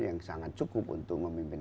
yang sangat cukup untuk memimpin